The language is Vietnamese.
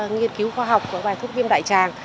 nghiên cứu khoa học có vài thuốc viêm đại tràng